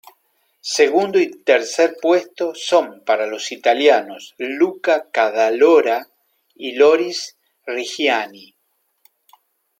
Segundo y tercer puesto son para dos italianos, Luca Cadalora y Loris Reggiani.